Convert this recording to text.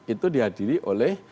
itu dihadiri oleh